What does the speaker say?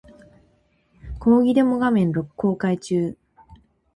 講義デモ画面公開中